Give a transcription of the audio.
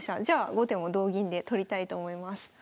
じゃあ後手も同銀で取りたいと思います。